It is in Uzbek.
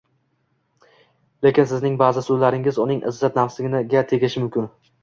Lekin sizning ba’zi so‘zlaringiz uning izzat-nafsiga tegishi mumkin.